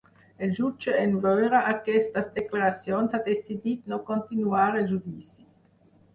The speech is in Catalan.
El jutge en veure aquestes declaracions ha decidit no continuar el judici.